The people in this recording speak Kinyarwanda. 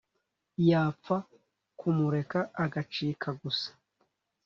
yapfa kumureka agacika gusa?